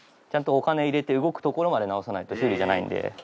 ちゃんとお金入れて動くところまで直さないと修理じゃないんで。